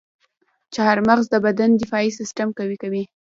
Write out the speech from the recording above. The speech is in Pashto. چارمغز د بدن دفاعي سیستم قوي کوي.